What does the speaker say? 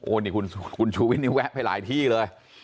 นี่คุณชูวิทนี่แวะไปหลายที่เลย